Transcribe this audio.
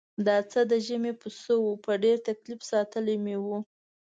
دا څه د ژمي پسه و په ډېر تکلیف ساتلی مې و.